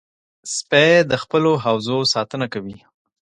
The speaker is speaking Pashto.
سپو د خپلو حوزو ساتنه کوي.